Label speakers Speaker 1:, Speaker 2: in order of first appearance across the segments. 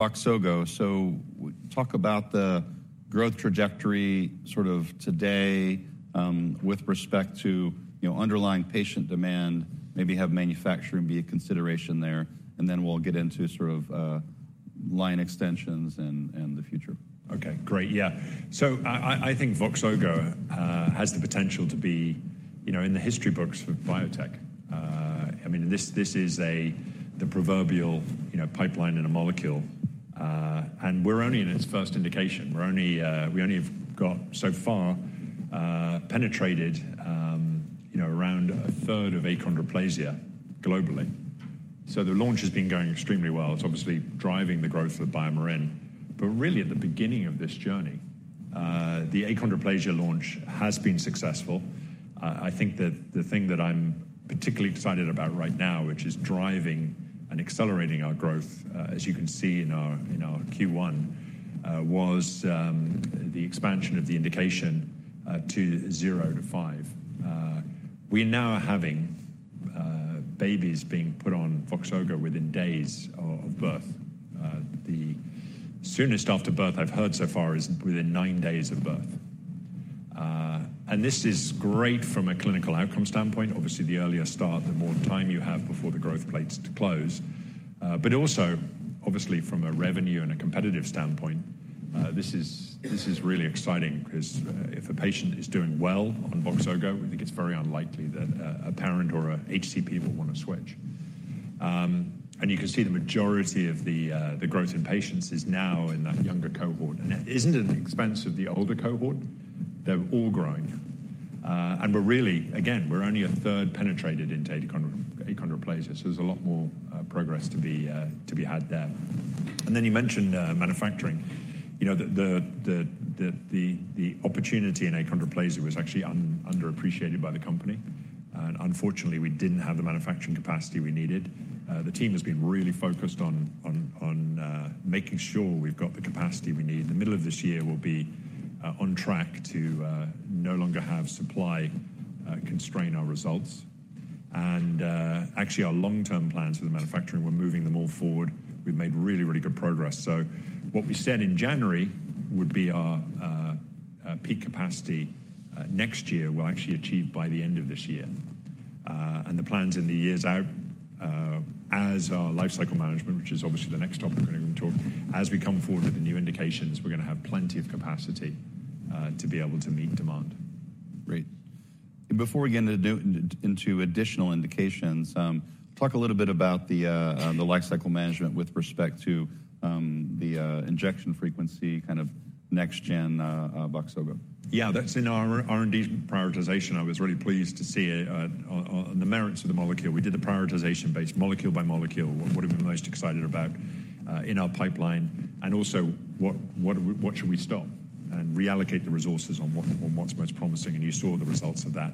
Speaker 1: Voxzogo. So talk about the growth trajectory sort of today, with respect to, you know, underlying patient demand, maybe have manufacturing be a consideration there, and then we'll get into sort of line extensions and the future.
Speaker 2: Okay, great. Yeah. So I think Voxzogo has the potential to be, you know, in the history books for biotech. I mean, this is the proverbial, you know, pipeline in a molecule. And we're only in its first indication. We only have got so far penetrated, you know, around a third of achondroplasia globally. So the launch has been going extremely well. It's obviously driving the growth of BioMarin, but we're really at the beginning of this journey. The achondroplasia launch has been successful. I think that the thing that I'm particularly excited about right now, which is driving and accelerating our growth, as you can see in our Q1, was the expansion of the indication to zero to five. We now are having babies being put on Voxzogo within days of birth. The soonest after birth I've heard so far is within nine days of birth. And this is great from a clinical outcome standpoint. Obviously, the earlier start, the more time you have before the growth plates to close. But also, obviously from a revenue and a competitive standpoint, this is really exciting because, if a patient is doing well on Voxzogo, I think it's very unlikely that a parent or a HCP will want to switch. And you can see the majority of the growth in patients is now in that younger cohort, and it isn't at the expense of the older cohort. They're all growing. And we're really—again, we're only a third penetrated into achondroplasia, so there's a lot more progress to be had there. And then you mentioned manufacturing. You know, the opportunity in achondroplasia was actually underappreciated by the company, and unfortunately, we didn't have the manufacturing capacity we needed. The team has been really focused on making sure we've got the capacity we need. In the middle of this year, we'll be on track to no longer have supply constrain our results. And actually, our long-term plans for the manufacturing, we're moving them all forward. We've made really good progress. So what we said in January would be our peak capacity next year will actually achieve by the end of this year. And the plans in the years out, as our lifecycle management, which is obviously the next topic we're going to talk, as we come forward with the new indications, we're going to have plenty of capacity to be able to meet demand.
Speaker 1: Great. Before we get into additional indications, talk a little bit about the lifecycle management with respect to the injection frequency, kind of next gen Voxzogo.
Speaker 2: Yeah, that's in our R&D prioritization. I was really pleased to see on the merits of the molecule. We did the prioritization based molecule by molecule. What are we most excited about in our pipeline? And also, what should we stop and reallocate the resources on what's most promising? And you saw the results of that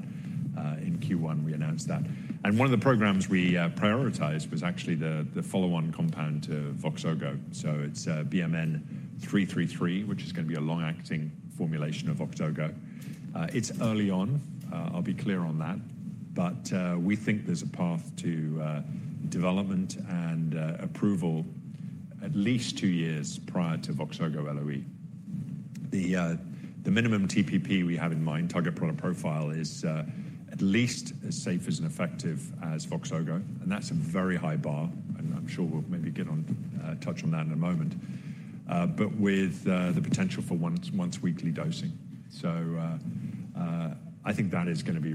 Speaker 2: in Q1, we announced that. And one of the programs we prioritized was actually the follow-on compound to Voxzogo. So it's BMN-333, which is going to be a long-acting formulation of Voxzogo. It's early on, I'll be clear on that, but we think there's a path to development and approval at least two years prior to Voxzogo LOE. The minimum TPP we have in mind, target product profile, is at least as safe as and effective as Voxzogo, and that's a very high bar, and I'm sure we'll maybe get on to touch on that in a moment, but with the potential for once-weekly dosing. So, I think that is gonna be...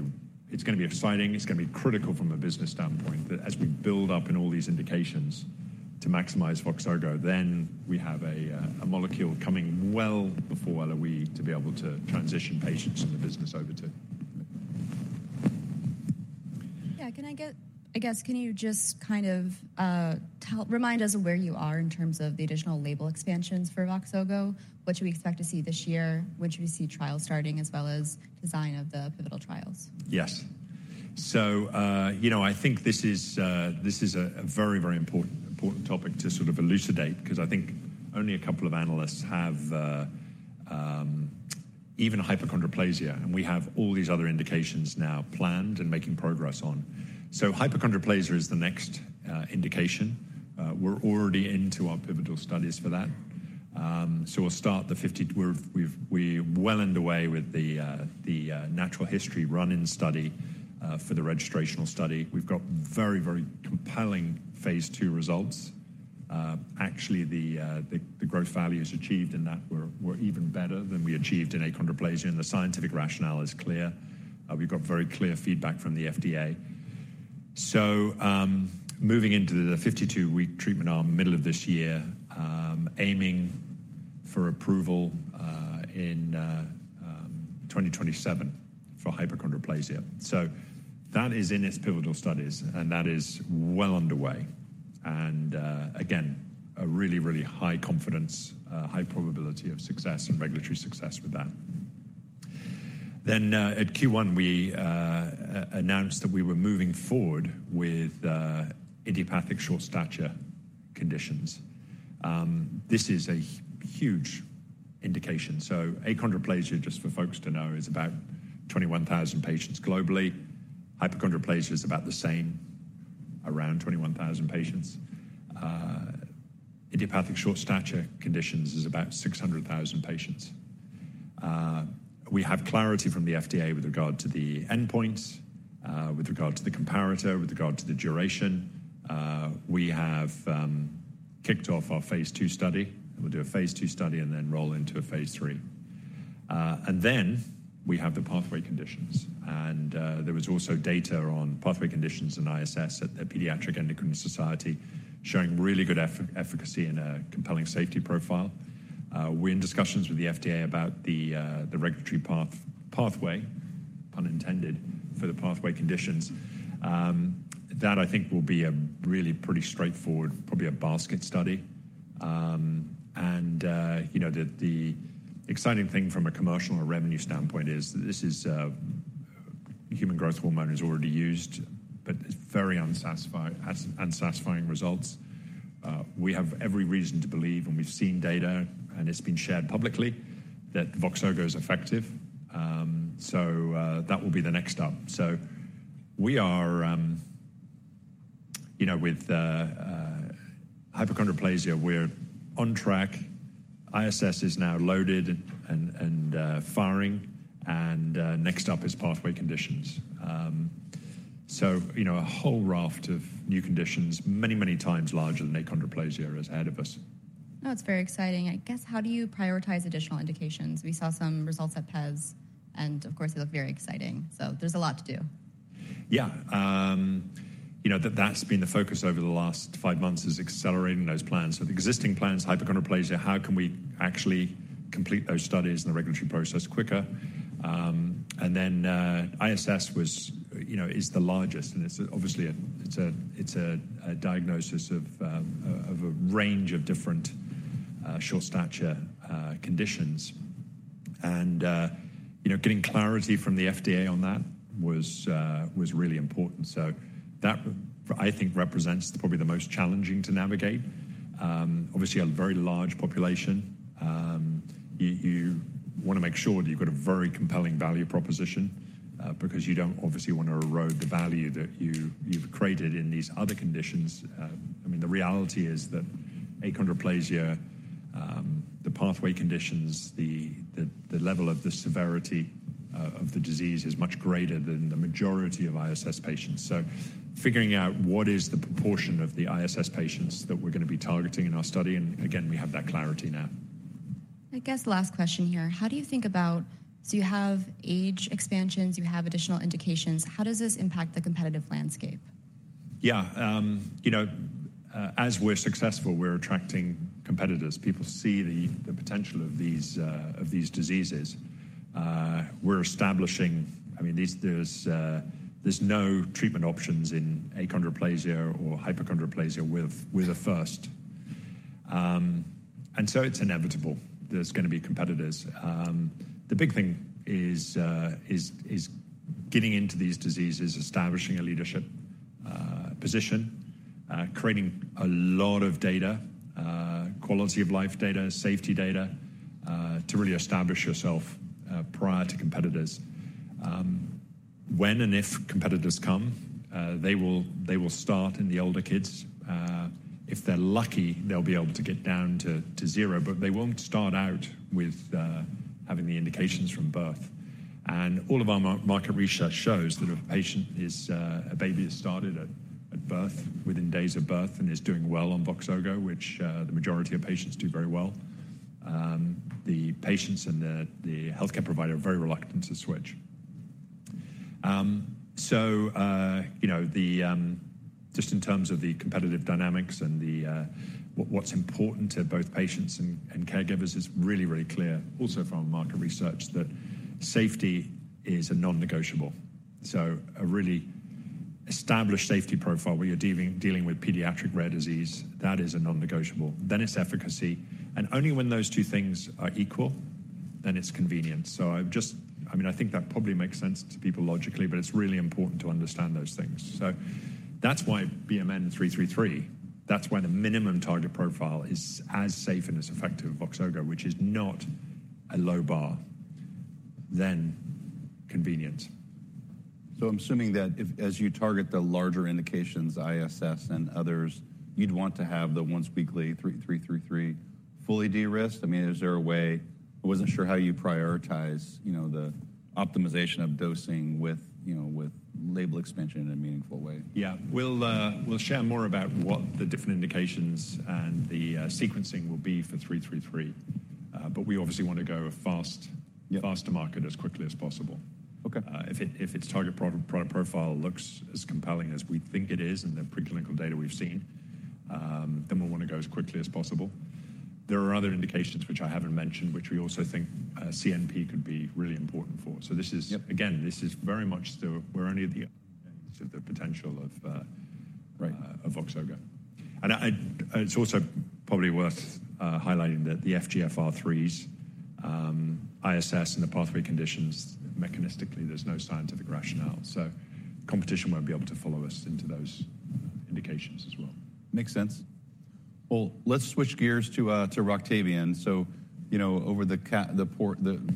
Speaker 2: It's gonna be exciting. It's gonna be critical from a business standpoint, that as we build up in all these indications to maximize Voxzogo, then we have a molecule coming well before LOE to be able to transition patients in the business over to.
Speaker 3: Yeah. I guess, can you just kind of tell, remind us of where you are in terms of the additional label expansions for Voxzogo? What should we expect to see this year? What should we see trials starting, as well as design of the pivotal trials?
Speaker 2: Yes. So, you know, I think this is a very, very important topic to sort of elucidate because I think only a couple of analysts have even hypochondroplasia, and we have all these other indications now planned and making progress on. So hypochondroplasia is the next indication. We're already into our pivotal studies for that. So we'll start the 52. We've, we've, we're well underway with the natural history run-in study for the registrational study. We've got very, very compelling phase II results. Actually, the growth values achieved in that were even better than we achieved in achondroplasia, and the scientific rationale is clear. We've got very clear feedback from the FDA. So, moving into the 52-week treatment arm, middle of this year, aiming for approval in 2027 for hypochondroplasia. So that is in its pivotal studies, and that is well underway, and, again, a really, really high confidence, high probability of success and regulatory success with that. Then, at Q1, we announced that we were moving forward with idiopathic short stature conditions. This is a huge indication. So achondroplasia, just for folks to know, is about 21,000 patients globally. Hypochondroplasia is about the same, around 21,000 patients. Idiopathic short stature conditions is about 600,000 patients. We have clarity from the FDA with regard to the endpoints, with regard to the comparator, with regard to the duration. We have kicked off our Phase 2 study, and we'll do a Phase 2 study and then roll into a Phase 3. And then we have the pathway conditions, and there was also data on pathway conditions in ISS at the Pediatric Endocrine Society, showing really good efficacy and a compelling safety profile. We're in discussions with the FDA about the regulatory pathway, pun intended, for the pathway conditions. That I think will be a really pretty straightforward, probably a basket study. And you know, the exciting thing from a commercial or revenue standpoint is this is human growth hormone is already used, but it's very unsatisfying results. We have every reason to believe, and we've seen data, and it's been shared publicly, that Voxzogo is effective. That will be the next up. So we are, you know, with hypochondroplasia, we're on track. ISS is now loaded and firing, and next up is pathway conditions. So, you know, a whole raft of new conditions, many, many times larger than achondroplasia is ahead of us.
Speaker 3: No, it's very exciting. I guess, how do you prioritize additional indications? We saw some results at PES, and of course, they look very exciting, so there's a lot to do.
Speaker 2: Yeah. You know, that's been the focus over the last 5 months, is accelerating those plans. So the existing plans, hypochondroplasia, how can we actually complete those studies and the regulatory process quicker? And then, ISS was, you know, is the largest, and it's obviously a diagnosis of a range of different short stature conditions. And you know, getting clarity from the FDA on that was really important. So that, I think, represents probably the most challenging to navigate. Obviously, a very large population. You wanna make sure that you've got a very compelling value proposition, because you don't obviously want to erode the value that you've created in these other conditions. I mean, the reality is that achondroplasia, the pathway conditions, the level of the severity of the disease is much greater than the majority of ISS patients. So figuring out what is the proportion of the ISS patients that we're gonna be targeting in our study, and again, we have that clarity now.
Speaker 3: I guess last question here: How do you think about... So you have age expansions, you have additional indications. How does this impact the competitive landscape?
Speaker 2: Yeah, you know, as we're successful, we're attracting competitors. People see the potential of these diseases. We're establishing... I mean, these, there's no treatment options in achondroplasia or hypochondroplasia with a first. And so it's inevitable there's gonna be competitors. The big thing is getting into these diseases, establishing a leadership position, creating a lot of data, quality of life data, safety data, to really establish yourself prior to competitors. When and if competitors come, they will start in the older kids. If they're lucky, they'll be able to get down to zero, but they won't start out with having the indications from birth. And all of our market research shows that a patient is, a baby that started at birth, within days of birth, and is doing well on Voxzogo, which, the majority of patients do very well, the patients and the, the healthcare provider are very reluctant to switch. So, you know, the, just in terms of the competitive dynamics and the, what's important to both patients and, and caregivers is really, really clear, also from our market research, that safety is a non-negotiable. So a really established safety profile where you're dealing with pediatric rare disease, that is a non-negotiable. Then it's efficacy, and only when those two things are equal, then it's convenient. So I've just... I mean, I think that probably makes sense to people logically, but it's really important to understand those things. So that's why BMN 333, that's why the minimum target profile is as safe and as effective as Voxzogo, which is not a low bar, then convenient.
Speaker 1: So I'm assuming that if as you target the larger indications, ISS and others, you'd want to have the once-weekly three, three, three fully de-risked? I mean, is there a way... I wasn't sure how you prioritize, you know, the optimization of dosing with, you know, with label expansion in a meaningful way.
Speaker 2: Yeah. We'll share more about what the different indications and the sequencing will be for 333, but we obviously want to go fast-
Speaker 1: Yeah.
Speaker 2: faster to market as quickly as possible.
Speaker 1: Okay.
Speaker 2: If its Target Product Profile looks as compelling as we think it is in the preclinical data we've seen, then we'll wanna go as quickly as possible. There are other indications which I haven't mentioned, which we also think CNP could be really important for.
Speaker 1: Yep.
Speaker 2: So this is, again, this is very much still we're only at the of the potential of...
Speaker 1: Right...
Speaker 2: of Voxzogo. And I, it's also probably worth highlighting that the FGFR3, ISS and the pathway conditions, mechanistically, there's no scientific rationale. So competition won't be able to follow us into those indications as well.
Speaker 1: Makes sense. Well, let's switch gears to Roctavian. So, you know, over the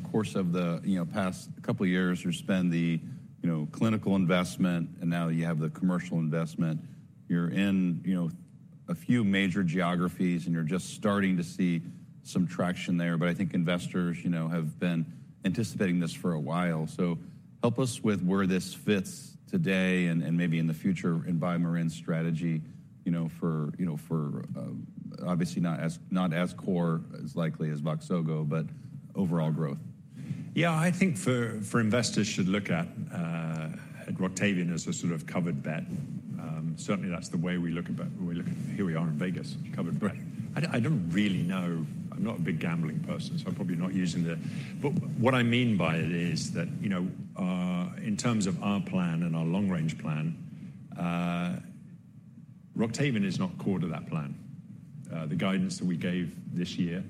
Speaker 1: course of the, you know, past couple of years, you've spent the, you know, clinical investment, and now you have the commercial investment. You're in, you know, a few major geographies, and you're just starting to see some traction there. But I think investors, you know, have been anticipating this for a while. So help us with where this fits today and maybe in the future in BioMarin's strategy, you know, for, you know, for, obviously not as, not as core as likely as Voxzogo, but overall growth.
Speaker 2: Yeah, I think for investors should look at Roctavian as a sort of covered bet. Certainly, that's the way we look at. Here we are in Vegas, covered bet. I don't really know. I'm not a big gambling person, so I'm probably not using. But what I mean by it is that, you know, in terms of our plan and our long-range plan, Roctavian is not core to that plan. The guidance that we gave this year,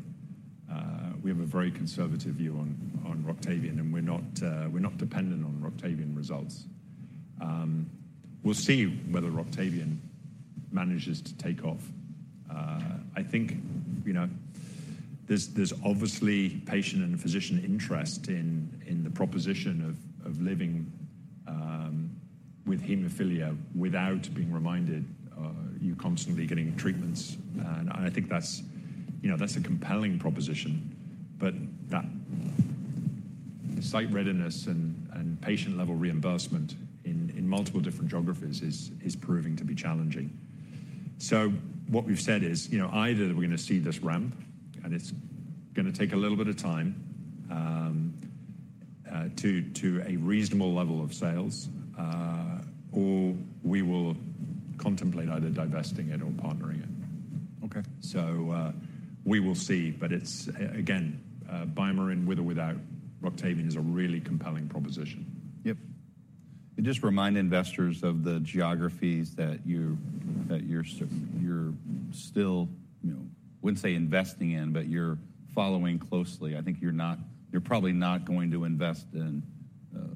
Speaker 2: we have a very conservative view on Roctavian, and we're not dependent on Roctavian results. We'll see whether Roctavian manages to take off. I think, you know, there's obviously patient and physician interest in the proposition of living with hemophilia without being reminded you constantly getting treatments. I think that's, you know, that's a compelling proposition. But that site readiness and patient-level reimbursement in multiple different geographies is proving to be challenging. So what we've said is, you know, either we're gonna see this ramp, and it's gonna take a little bit of time to a reasonable level of sales, or we will contemplate either divesting it or partnering it.
Speaker 1: Okay.
Speaker 2: So, we will see, but it's again, BioMarin, with or without Roctavian, is a really compelling proposition.
Speaker 1: Yep. And just remind investors of the geographies that you're still, you know, wouldn't say investing in, but you're following closely. I think you're probably not going to invest in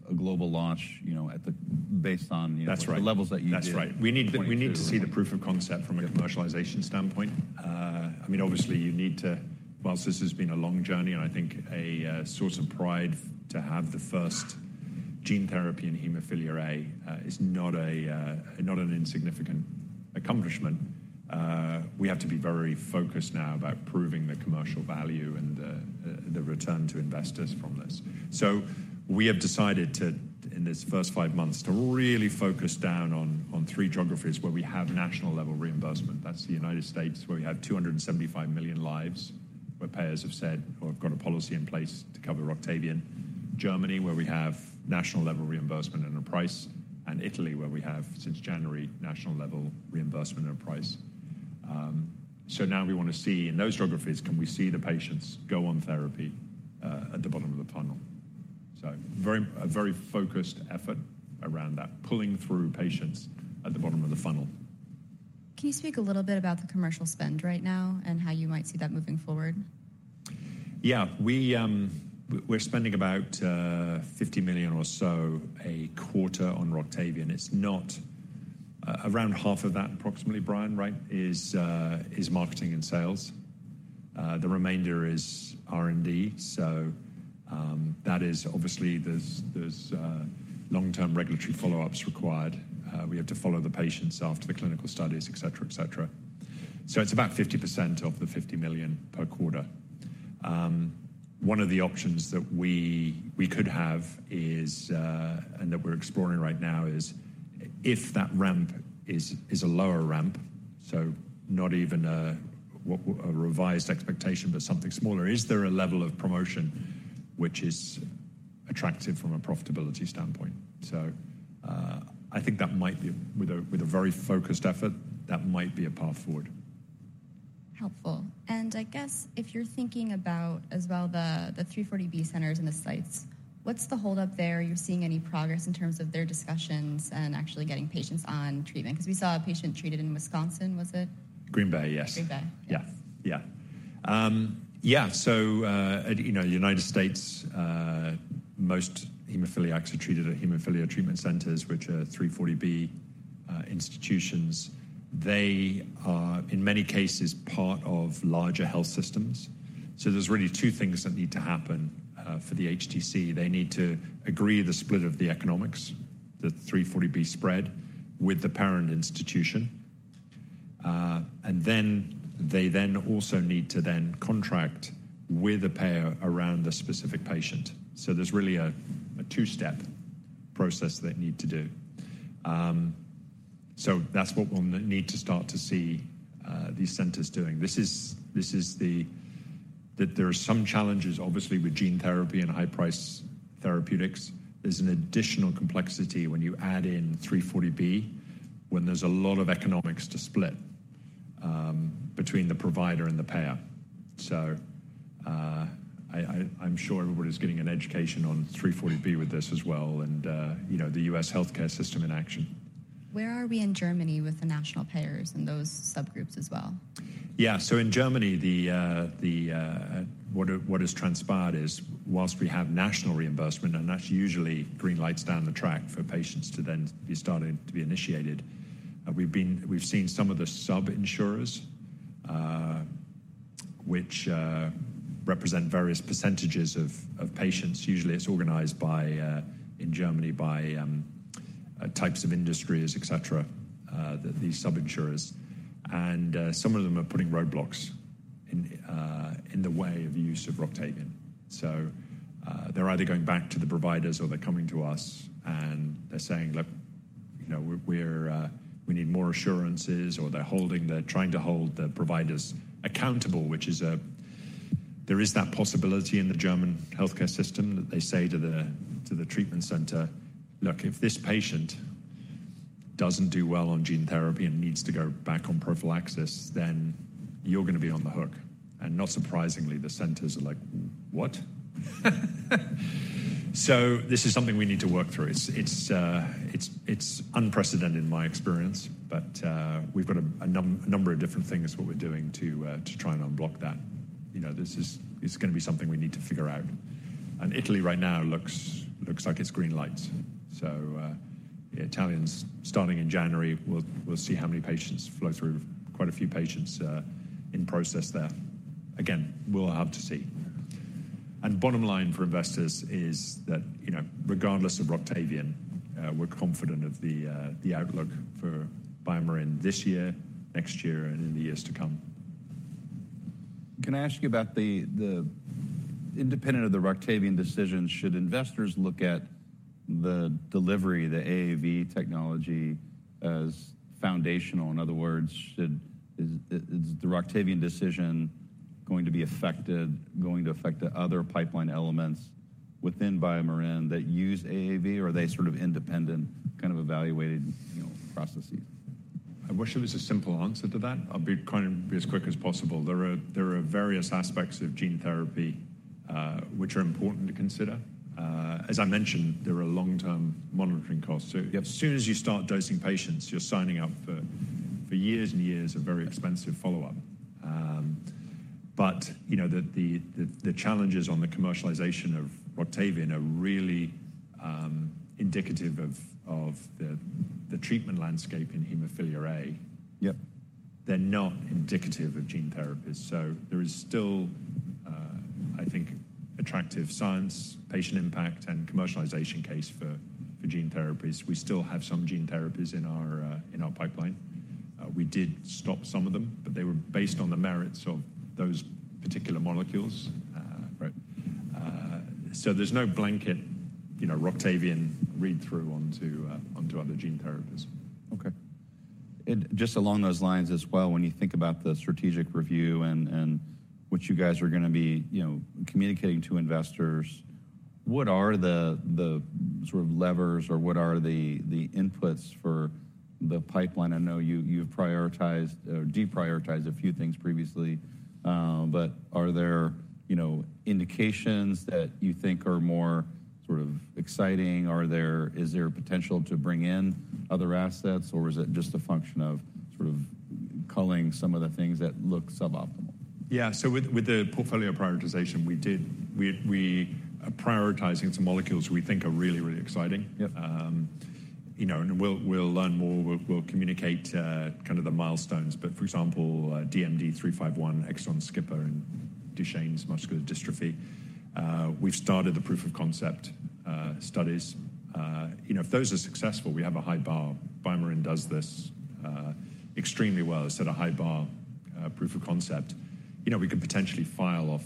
Speaker 1: a global launch, you know, at the, based on, you know-
Speaker 2: That's right.
Speaker 1: The levels that you did.
Speaker 2: That's right. We need to-
Speaker 1: Twenty two...
Speaker 2: We need to see the proof of concept from a commercialization standpoint. I mean, obviously, you need to whilst this has been a long journey, and I think a source of pride to have the first gene therapy in hemophilia A is not an insignificant accomplishment. We have to be very focused now about proving the commercial value and the return to investors from this. So we have decided to, in this first five months, to really focus down on three geographies where we have national-level reimbursement. That's the United States, where we have 275 million lives, where payers have said or have got a policy in place to cover Roctavian. Germany, where we have national-level reimbursement and a price, and Italy, where we have, since January, national-level reimbursement and price. So now we wanna see in those geographies, can we see the patients go on therapy at the bottom of the funnel? So, a very focused effort around that, pulling through patients at the bottom of the funnel.
Speaker 3: Can you speak a little bit about the commercial spend right now and how you might see that moving forward?
Speaker 2: Yeah. We're spending about $50 million or so a quarter on Roctavian. It's not around half of that, approximately, Brian, right, is marketing and sales. The remainder is R&D. So, that is obviously there's long-term regulatory follow-ups required. We have to follow the patients after the clinical studies, et cetera, et cetera. So it's about 50% of the $50 million per quarter. One of the options that we could have is, and that we're exploring right now is if that ramp is a lower ramp, so not even a revised expectation, but something smaller, is there a level of promotion which is attractive from a profitability standpoint? So, I think that might be, with a very focused effort, that might be a path forward.
Speaker 3: Helpful. I guess if you're thinking about as well, the 340B centers and the sites, what's the hold up there? Are you seeing any progress in terms of their discussions and actually getting patients on treatment? Because we saw a patient treated in Wisconsin, was it?
Speaker 2: Green Bay, yes.
Speaker 3: Green Bay.
Speaker 2: Yeah. Yeah. Yeah, so, you know, United States, most hemophiliacs are treated at Hemophilia Treatment Centers, which are 340B institutions. They are, in many cases, part of larger health systems. So there's really two things that need to happen for the HTC. They need to agree the split of the economics, the 340B spread with the parent institution, and then they then also need to then contract with the payer around the specific patient. So there's really a two-step process they need to do. So that's what we'll need to start to see these centers doing. This is that there are some challenges, obviously, with gene therapy and high-price therapeutics. There's an additional complexity when you add in 340B, when there's a lot of economics to split between the provider and the payer. I'm sure everybody's getting an education on 340B with this as well and, you know, the U.S. healthcare system in action....
Speaker 3: Where are we in Germany with the national payers and those subgroups as well?
Speaker 2: Yeah, so in Germany, what has transpired is, whilst we have national reimbursement, and that's usually green lights down the track for patients to then be starting to be initiated. We've seen some of the sub-insurers, which represent various percentages of patients. Usually, it's organized in Germany by types of industries, et cetera, these sub-insurers. And some of them are putting roadblocks in the way of use of Roctavian. So, they're either going back to the providers or they're coming to us, and they're saying: "Look, you know, we're, we need more assurances," or they're trying to hold the providers accountable, which is... There is that possibility in the German healthcare system that they say to the treatment center: "Look, if this patient doesn't do well on gene therapy and needs to go back on prophylaxis, then you're gonna be on the hook." And not surprisingly, the centers are like, "What?" So this is something we need to work through. It's unprecedented in my experience, but we've got a number of different things what we're doing to try and unblock that. You know, this is, it's gonna be something we need to figure out. And Italy right now looks like it's green lights. So the Italians, starting in January, we'll see how many patients flow through. Quite a few patients in process there. Again, we'll have to see. Bottom line for investors is that, you know, regardless of Roctavian, we're confident of the outlook for BioMarin this year, next year, and in the years to come.
Speaker 1: Can I ask you about the independent of the Roctavian decision, should investors look at the delivery, the AAV technology, as foundational? In other words, is the Roctavian decision going to be affected, going to affect the other pipeline elements within BioMarin that use AAV, or are they sort of independent, kind of evaluated, you know, processes?
Speaker 2: I wish there was a simple answer to that. I'll be kind of as quick as possible. There are various aspects of gene therapy which are important to consider. As I mentioned, there are long-term monitoring costs.
Speaker 1: Yep.
Speaker 2: So as soon as you start dosing patients, you're signing up for years and years of very expensive follow-up. But you know, the challenges on the commercialization of Roctavian are really indicative of the treatment landscape in Hemophilia A.
Speaker 1: Yep.
Speaker 2: They're not indicative of gene therapies. So there is still, I think, attractive science, patient impact, and commercialization case for, for gene therapies. We still have some gene therapies in our, in our pipeline. We did stop some of them, but they were based on the merits of those particular molecules.
Speaker 1: Uh, right.
Speaker 2: There's no blanket, you know, Roctavian read-through onto other gene therapies.
Speaker 1: Okay. And just along those lines as well, when you think about the strategic review and, and what you guys are gonna be, you know, communicating to investors, what are the, the sort of levers, or what are the, the inputs for the pipeline? I know you, you've prioritized or deprioritized a few things previously, but are there, you know, indications that you think are more sort of exciting? Are there? Is there potential to bring in other assets, or is it just a function of sort of culling some of the things that look suboptimal?
Speaker 2: Yeah. So with the portfolio prioritization, we are prioritizing some molecules we think are really, really exciting.
Speaker 1: Yep.
Speaker 2: You know, and we'll learn more, we'll communicate kind of the milestones. But for example, DMD 351 exon skipper in Duchenne muscular dystrophy, we've started the proof of concept studies. You know, if those are successful, we have a high bar. BioMarin does this extremely well. It set a high bar, proof of concept. You know, we could potentially file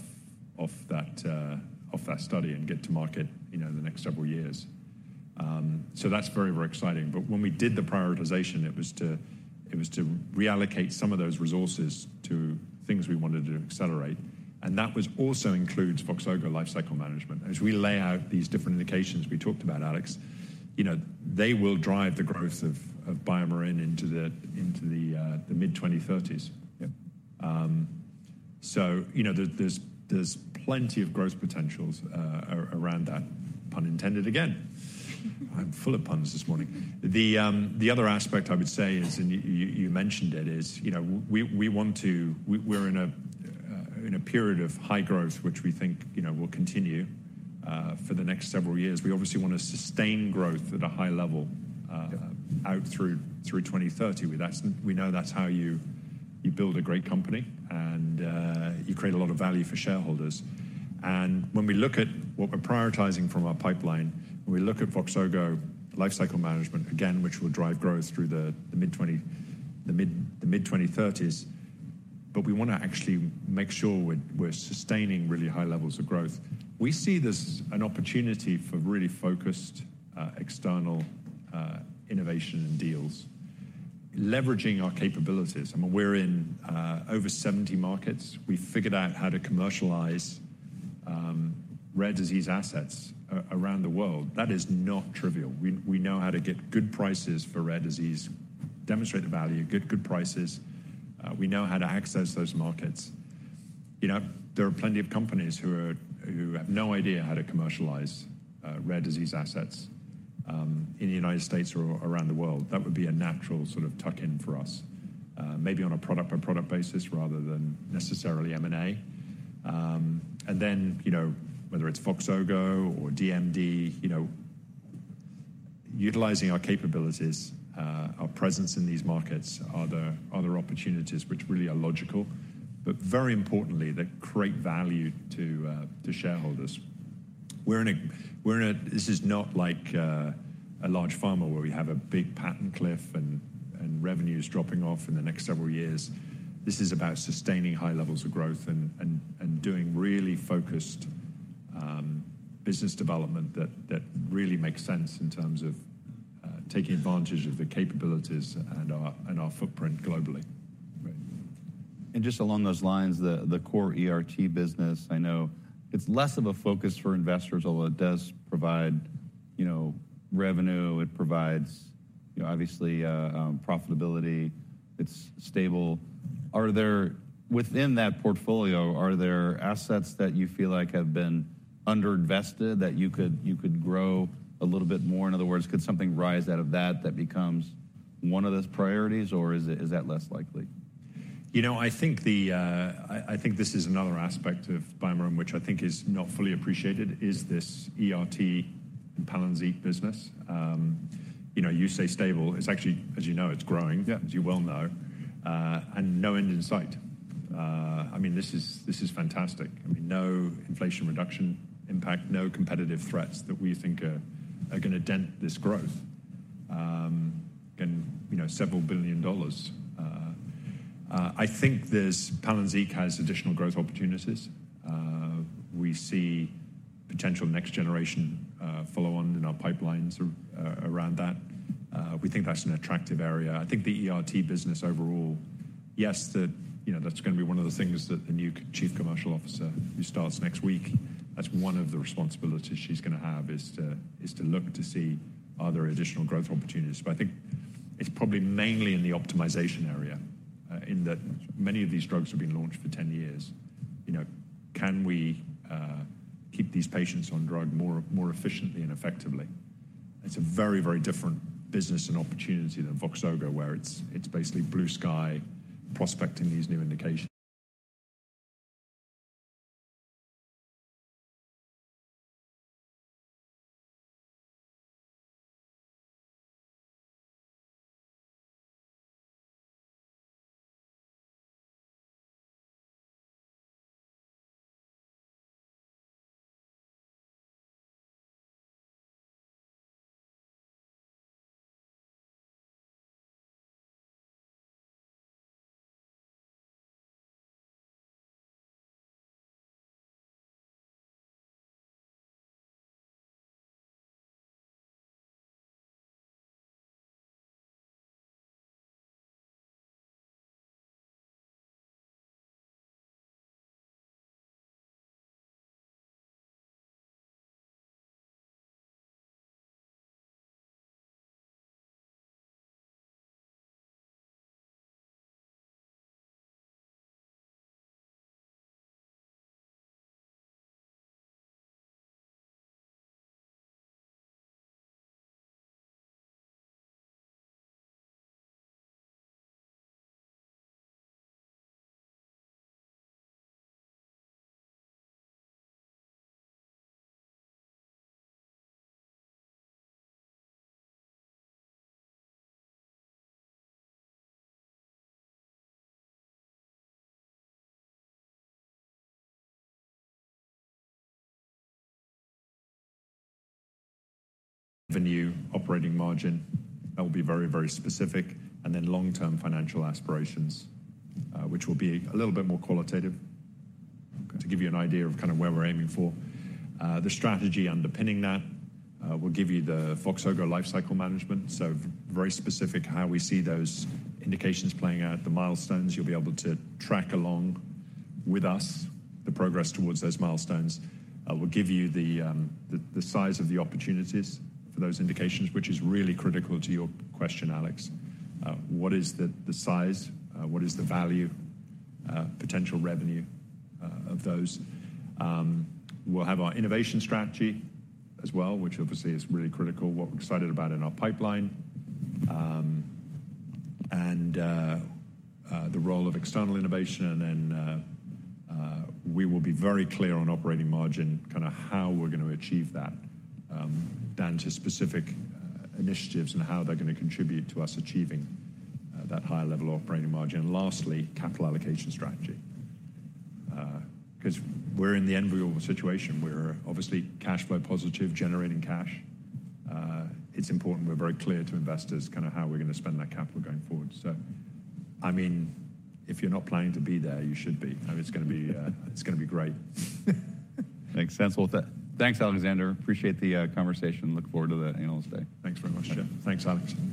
Speaker 2: off that study and get to market, you know, in the next several years. So that's very, very exciting. But when we did the prioritization, it was to reallocate some of those resources to things we wanted to accelerate, and that was also includes Voxzogo lifecycle management. As we lay out these different indications we talked about, Alex, you know, they will drive the growth of BioMarin into the mid-2030s.
Speaker 1: Yep.
Speaker 2: So, you know, there, there's plenty of growth potentials around that, pun intended again. I'm full of puns this morning. The other aspect I would say is, and you mentioned it, is, you know, we want to. We're in a period of high growth, which we think, you know, will continue for the next several years. We obviously want to sustain growth at a high level.
Speaker 1: Yep...
Speaker 2: out through 2030. We know that's how you build a great company, and you create a lot of value for shareholders. And when we look at what we're prioritizing from our pipeline, when we look at Voxzogo lifecycle management, again, which will drive growth through the mid-2030s, but we wanna actually make sure we're sustaining really high levels of growth. We see this as an opportunity for really focused external innovation and deals, leveraging our capabilities. I mean, we're in over 70 markets. We've figured out how to commercialize rare disease assets around the world. That is not trivial. We know how to get good prices for rare disease, demonstrate the value, get good prices. We know how to access those markets.... You know, there are plenty of companies who have no idea how to commercialize rare disease assets in the United States or around the world. That would be a natural sort of tuck-in for us, maybe on a product-by-product basis rather than necessarily M&A. And then, you know, whether it's Voxzogo or DMD, you know, utilizing our capabilities, our presence in these markets, are there other opportunities which really are logical, but very importantly, that create value to shareholders? We're in a-- This is not like a large pharma, where we have a big patent cliff and revenue is dropping off in the next several years. This is about sustaining high levels of growth and doing really focused business development that really makes sense in terms of taking advantage of the capabilities and our footprint globally.
Speaker 1: Right. And just along those lines, the core ERT business, I know it's less of a focus for investors, although it does provide, you know, revenue, it provides, you know, obviously, profitability. It's stable. Are there... Within that portfolio, are there assets that you feel like have been underinvested, that you could, you could grow a little bit more? In other words, could something rise out of that, that becomes one of those priorities, or is it, is that less likely?
Speaker 2: You know, I think this is another aspect of BioMarin, which I think is not fully appreciated, is this ERT and Palynziq business. You know, you say stable. It's actually, as you know, it's growing-
Speaker 1: Yeah.
Speaker 2: As you well know, and no end in sight. I mean, this is, this is fantastic. I mean, no inflation reduction impact, no competitive threats that we think are, are gonna dent this growth. And, you know, several billion dollars. I think this Palynziq has additional growth opportunities. We see potential next generation, follow-on in our pipelines around that. We think that's an attractive area. I think the ERT business overall, yes, that, you know, that's gonna be one of the things that the new chief commercial officer, who starts next week, that's one of the responsibilities she's gonna have, is to, is to look to see are there additional growth opportunities. But I think it's probably mainly in the optimization area, in that many of these drugs have been launched for 10 years. You know, can we keep these patients on drug more, more efficiently and effectively? It's a very, very different business and opportunity than Voxzogo, where it's basically blue sky prospecting these new indications. Revenue, operating margin, that will be very, very specific, and then long-term financial aspirations, which will be a little bit more qualitative. To give you an idea of kind of where we're aiming for, the strategy underpinning that, we'll give you the Voxzogo lifecycle management. So very specific, how we see those indications playing out, the milestones. You'll be able to track along with us the progress towards those milestones. We'll give you the size of the opportunities for those indications, which is really critical to your question, Alex. What is the size, what is the value, potential revenue, of those? We'll have our innovation strategy as well, which obviously is really critical, what we're excited about in our pipeline. The role of external innovation, and then we will be very clear on operating margin, kind of how we're gonna achieve that, down to specific initiatives and how they're gonna contribute to us achieving that higher level operating margin. And lastly, capital allocation strategy. 'Cause we're in the enviable situation where obviously cash flow positive, generating cash. It's important we're very clear to investors kind of how we're gonna spend that capital going forward. So, I mean, if you're not planning to be there, you should be. I mean, it's gonna be, it's gonna be great.
Speaker 1: Makes sense. Well, thanks, Alexander. Appreciate the conversation. Look forward to the Analyst Day.
Speaker 2: Thanks very much, Geoff. Thanks, Alex.